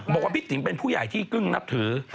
บอกว่าพี่ติ๋มเป็นผู้ใหญ่ที่กึ้งนับถือ